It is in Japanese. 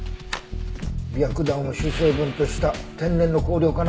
白檀を主成分とした天然の香料かな。